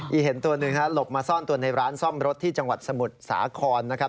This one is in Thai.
เห็นตัวหนึ่งหลบมาซ่อนตัวในร้านซ่อมรถที่จังหวัดสมุทรสาครนะครับ